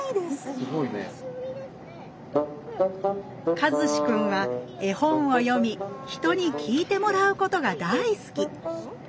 和志くんは絵本を読み人に聞いてもらうことが大好き